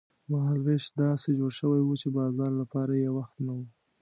مهال وېش داسې جوړ شوی و چې د بازار لپاره یې وخت نه و.